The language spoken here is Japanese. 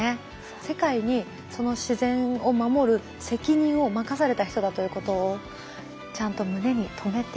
世界にその自然を守る責任を任された人だということをちゃんと胸に留めておきたいなと思います。